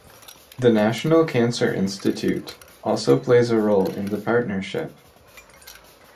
The National Cancer Institute also plays a role in the partnership.